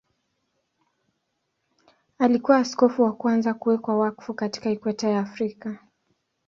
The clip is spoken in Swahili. Alikuwa askofu wa kwanza kuwekwa wakfu katika Ikweta ya Afrika.